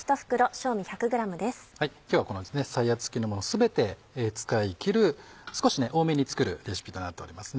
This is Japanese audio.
今日はこのさやつきのもの全て使い切る少し多めに作るレシピとなっております。